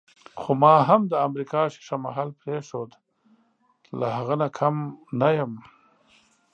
خو ما هم د امریکا ښیښه محل پرېښود، له هغه نه کم نه یم.